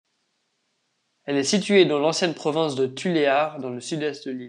Elle est située dans l'ancienne province de Tuléar, dans le sud-est de l'île.